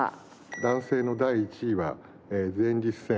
男性の第１位は前立腺。